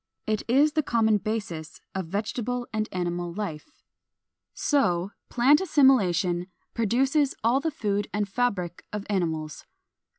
It is the common basis of vegetable and of animal life. 455. _So plant assimilation produces all the food and fabric of animals.